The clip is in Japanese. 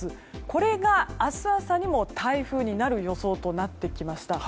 これが明日朝にも台風になる予想となってきました。